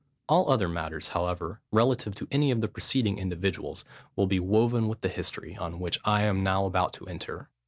All other matters, however, relative to any of the preceding individuals will be woven with the history, on which I am now about to enter.